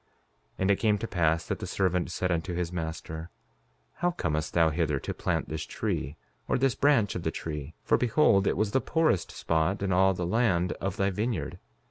5:21 And it came to pass that the servant said unto his master: How comest thou hither to plant this tree, or this branch of the tree? For behold, it was the poorest spot in all the land of thy vineyard.